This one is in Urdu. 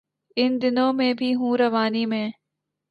ان دنوں میں بھی ہوں روانی میں